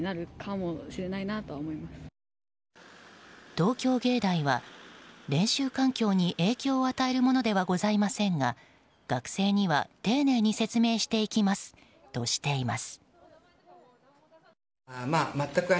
東京藝大は、練習環境に影響を与えるものではございませんが学生には丁寧に説明していきますとしています。